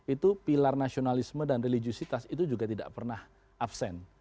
itu pilar nasionalisme dan religiositas itu juga tidak pernah absen